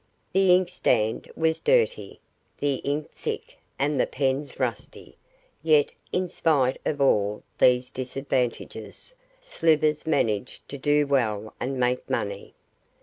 The inkstand was dirty, the ink thick and the pens rusty; yet, in spite of all these disadvantages, Slivers managed to do well and make money.